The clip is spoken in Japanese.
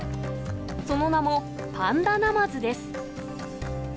その名もパンダナマズです。